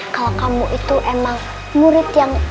kalau kamu itu emang murid yang